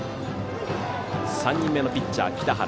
３人目のピッチャー、北原。